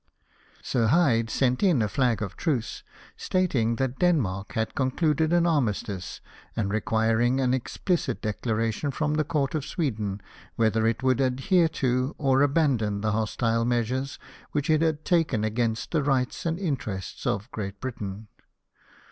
vSir Hyde sent in a flag of truce, stating that Denmark had concluded an armistice, and re quiring an explicit declaration from the Court of Sweden, whether it would adhere to, or abandon, the hostile measures which it had taken agamst the rights and interests of Great Britain.